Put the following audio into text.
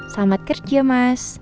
selamat kerja mas